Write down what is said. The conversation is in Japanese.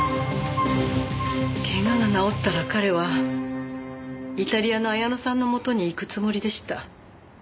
怪我が治ったら彼はイタリアの彩乃さんの元に行くつもりでした。